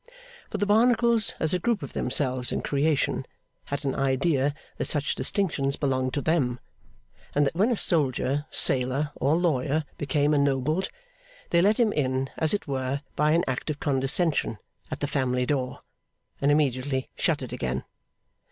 For the Barnacles, as a group of themselves in creation, had an idea that such distinctions belonged to them; and that when a soldier, sailor, or lawyer became ennobled, they let him in, as it were, by an act of condescension, at the family door, and immediately shut it again.